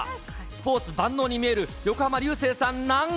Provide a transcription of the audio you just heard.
スポーツ万能に見える横浜流星さんなん。